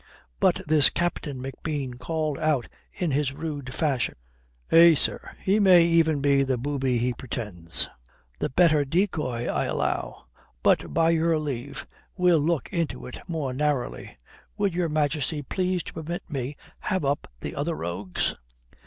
"But this Captain McBean called out in his rude fashion, 'Eh, sir, he may e'en be the booby he pretends. The better decoy, I allow. But by your leave, we'll look into it more narrowly. Would Your Majesty please to permit me have up the other rogues?'